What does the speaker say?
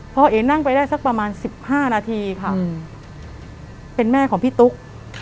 พอเอ๋นั่งไปได้สักประมาณ๑๕นาทีค่ะเป็นแม่ของพี่ตุ๊ก